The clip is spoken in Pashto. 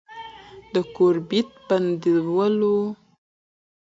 د گوربت بندجوړول